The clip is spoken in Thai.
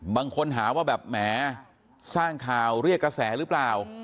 บางคนหาว่าแบบแหมสร้างข่าวเรียกกระแสหรือเปล่า